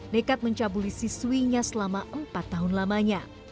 nekat mencabuli siswinya selama empat tahun lamanya